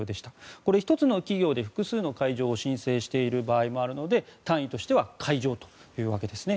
これ１つの企業で複数の会場を申請している場合もあるので単位としては会場というわけですね。